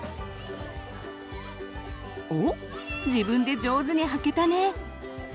おっ自分で上手にはけたね！